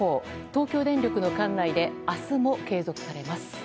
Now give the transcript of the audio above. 東京電力の管内で明日も継続されます。